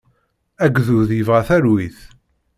Agdud yebɣa talwit.